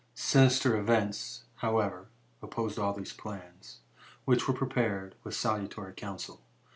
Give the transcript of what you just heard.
"Sinister event, however, opposed all these plans, which were prepared with salutary counsel.